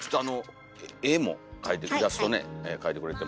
絵もイラストね描いてくれてますけれども。